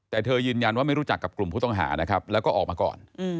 แต่เธอยืนยันว่าไม่รู้จักกับกลุ่มผู้ต้องหานะครับแล้วก็ออกมาก่อน